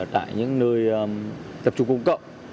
tại những nơi tập trung công cộng